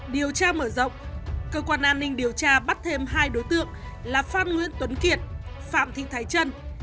điều tra mở rộng cơ quan an ninh điều tra bắt thêm hai đối tượng là phan nguyễn tuấn kiệt phạm thị thái trân